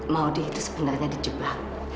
maudie itu sebenarnya di jebak